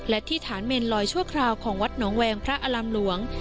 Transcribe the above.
และที่ฐานเมนลอยชั่วคราวของวัดหนองแวงพระอารามหลวง